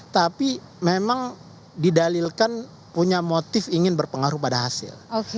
tapi memang didalilkan punya motif ingin berpengaruh pada hasil